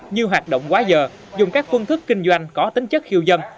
nhiều hoạt động quá giờ dùng các phương thức kinh doanh có tính chất khiêu dân